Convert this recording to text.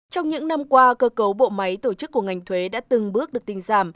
trong những năm qua cơ cấu bộ máy tổ chức của ngành thuế đã từng bước được tinh giảm